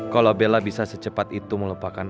kalau bella bisa secepat itu melupakan